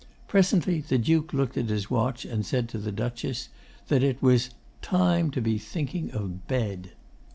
Presently the Duke looked at his watch and said to the Duchess that it was "time to be thinking of bed."